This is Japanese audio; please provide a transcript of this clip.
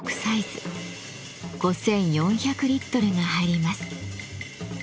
５，４００リットルが入ります。